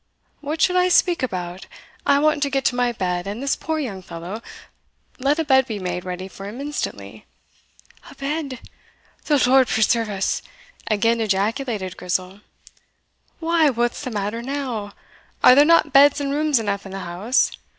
what should I speak about? I want to get to my bed and this poor young fellow let a bed be made ready for him instantly." "A bed? The Lord preserve us!" again ejaculated Grizel. "Why, what's the matter now? are there not beds and rooms enough in the house?